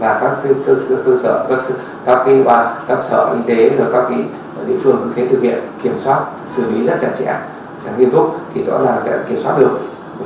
và các cơ sở các sở y tế và các địa phương khi thực hiện kiểm soát xử lý rất chặt chẽ nghiêm túc thì rõ ràng sẽ kiểm soát được